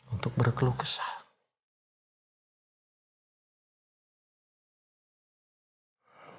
untuk berkeluh kesalah